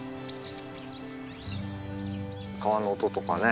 川の音とかね